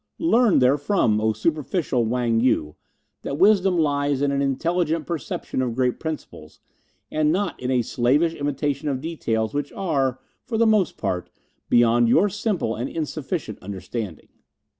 Learn therefrom, O superficial Wang Yu, that wisdom lies in an intelligent perception of great principles, and not in a slavish imitation of details which are, for the most part, beyond your simple and insufficient understanding."